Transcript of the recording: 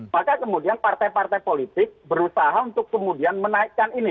maka kemudian partai partai politik berusaha untuk kemudian menaikkan ini